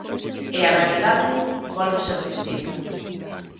E a realidade volve ser distinta.